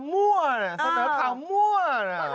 มั่วน่ะนักข่าวมั่วน่ะ